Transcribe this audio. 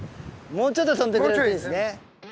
もうちょっと飛んでくれるといいですね。